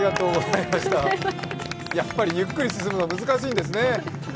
やっぱり、ゆっくり進むの難しいんですね。